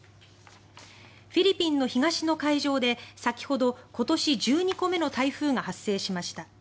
フィリピンの東の海上で先ほど今年１２個目の台風が発生しました。